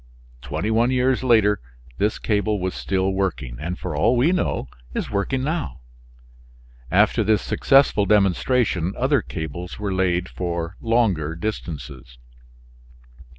Twenty one years later this cable was still working, and for all we know is working now. After this successful demonstration other cables were laid for longer distances.